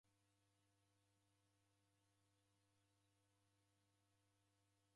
Waziri omenya ghaja w'andu w'ikunde.